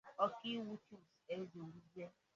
Ọkaiwu Chuks Ezewuzie